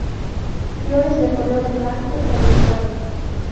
Flores de color blanco o rosado.